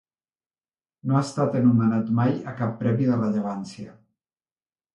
No ha estat anomenat mai a cap premi de rellevància.